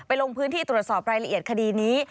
ลงพื้นที่ตรวจสอบรายละเอียดคดีนี้